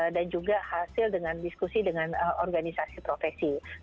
dan juga hasil dengan diskusi dengan organisasi profesi